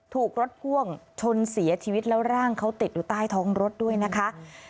ถูกรถพ่วงชนเสียชีวิตแล้วร่างเขาติดอยู่ใต้ท้องรถด้วยนะคะ